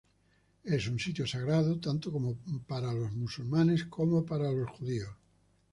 Es un sitio sagrado tanto como para los musulmanes como para los judíos.